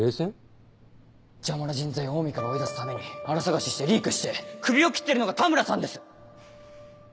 邪魔な人材をオウミから追い出すためにあら探ししてリークしてクビを切ってるのが田村さんです